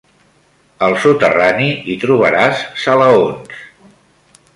Al soterrani hi trobaràs salaons.